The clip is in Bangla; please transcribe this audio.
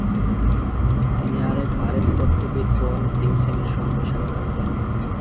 তিনি আরেক ভারততত্ত্ববিদ পল ডিউসেনের সঙ্গ সাক্ষাৎ করেন।